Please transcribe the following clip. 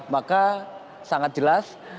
maka sangat jelas